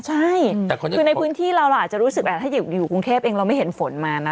ใช่คือในพื้นที่เราเราอาจจะรู้สึกถ้าอยู่กรุงเทพเองเราไม่เห็นฝนมานะ